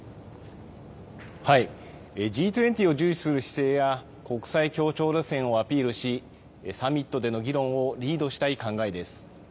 Ｇ２０を重視する姿勢や、国際協調路線をアピールし、サミットでの議論をリードしたい考えです。